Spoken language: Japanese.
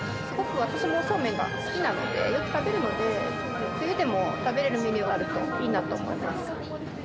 すごく私もそうめんが好きなので、よく食べるので、冬でも食べれるメニューがあるといいなと思います。